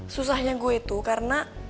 susahnya gue itu karena